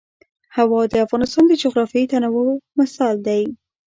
هوا د افغانستان د جغرافیوي تنوع مثال دی.